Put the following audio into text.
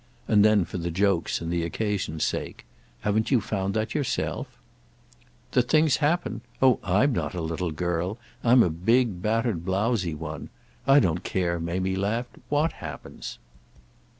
And then for the joke's and the occasion's sake: "Haven't you found that yourself?" "That things happen—? Oh I'm not a little girl. I'm a big battered blowsy one. I don't care," Mamie laughed, "what happens."